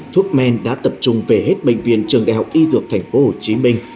thuốc men đã tập trung về hết bệnh viện trường đại học y dược tp hcm